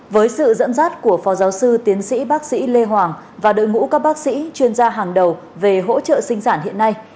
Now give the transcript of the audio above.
với sự dẫn dắt của phó giáo sư tiến sĩ bác sĩ lê hoàng và đội ngũ các bác sĩ chuyên gia hàng đầu về hỗ trợ sinh sản hiện nay